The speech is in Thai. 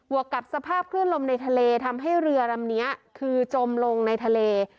วกกับสภาพคลื่นลมในทะเลทำให้เรือลำนี้คือจมลงในทะเล